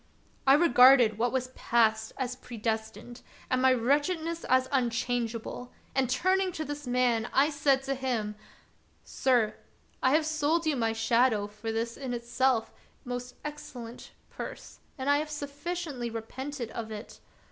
I regarded what was past as predestined, and my wretchedness as unchangeable, and, turning to the man, I said to him: — "Sir, I have sold you my shadow for this in itself most excellent purse, and I have sufficiently repented of it.